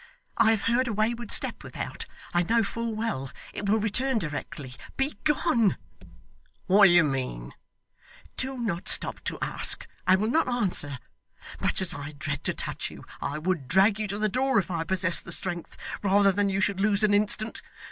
I have heard a wayward step without, I know full well. It will return directly. Begone.' 'What do you mean?' 'Do not stop to ask. I will not answer. Much as I dread to touch you, I would drag you to the door if I possessed the strength, rather than you should lose an instant.